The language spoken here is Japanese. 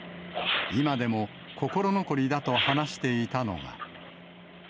今でも心残りだと話していたのが。